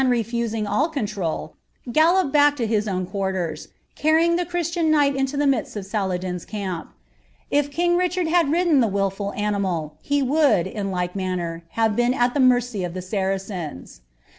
refusing all control, gallopped back tn his nwi: ,.> ^ing the Christian knigltl into the midst i>f Saladin's camp li' i^i Richard had ridden the wilfitl animal, he woidd, in like manner, haw been at the mercy of tlie Saracens.